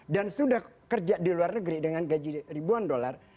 sudah kerja di luar negeri dengan gaji ribuan dolar